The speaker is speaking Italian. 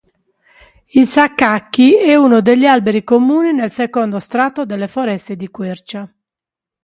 Il sakaki è uno degli alberi comuni nel secondo strato delle foreste di quercia.